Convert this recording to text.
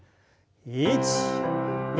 １２。